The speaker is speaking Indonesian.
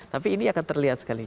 tapi ini akan terlihat sekali